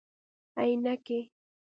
👓 عینکي